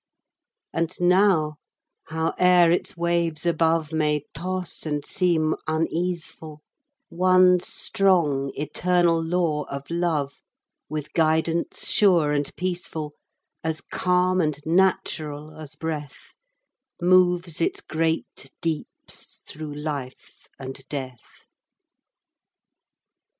And now, howe'er its waves above May toss and seem uneaseful, One strong, eternal law of Love, With guidance sure and peaceful, As calm and natural as breath, Moves its great deeps through life and death.